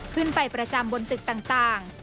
ขึ้นไปประจำบนตึกต่าง